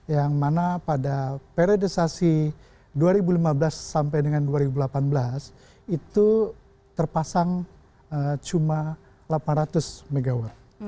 yang mana pada periodisasi dua ribu lima belas sampai dengan dua ribu delapan belas itu terpasang cuma delapan ratus mw